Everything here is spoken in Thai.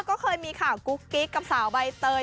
ก็เคยมีค่ะกุ๊กกิ๊กแล้วกับสาวใบเตย